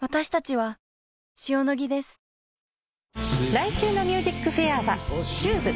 来週の『ＭＵＳＩＣＦＡＩＲ』はＴＵＢＥ。